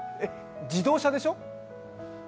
自動車でしょ？